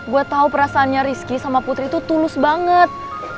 gue tau perasaannya rizky sama putri itu tulus banget